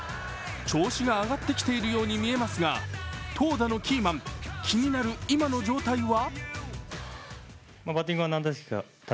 調子が上がってきているように見えますが投打のキーマン、気になる今の状態は？